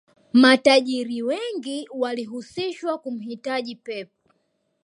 matajiri wengi walihusishwa kumhitaji pep